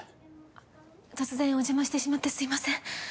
あっ突然お邪魔してしまってすいません。